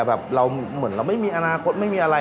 แบบเราเหมือนเราไม่มีอนาคตไม่มีอะไร